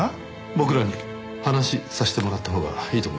僕らに話さしてもらったほうがいいと思いますよ。